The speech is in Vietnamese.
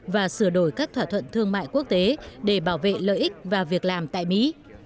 và sửa đổi các thỏa thuận thương mại quốc tế để bảo vệ lợi ích và việc làm tại mỹ